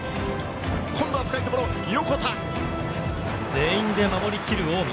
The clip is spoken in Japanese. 全員で守り切る近江。